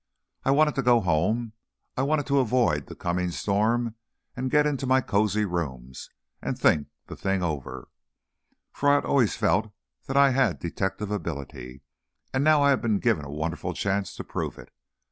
I wanted to go home. I wanted to avoid the coming storm and get into my cozy rooms, and think the thing over. For, I had always felt that I had detective ability, and now I had been given a wonderful chance to prove it.